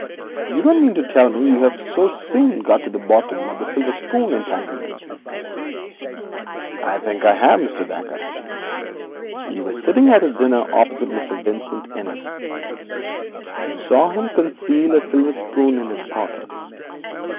You don't mean to tell me you have so soon got to the bottom of the silver spoon entanglement?' 'I think I have, Mr. Dacre. You were sitting at dinner opposite Mr Vincent Innis. You saw him conceal a silver spoon in his pocket.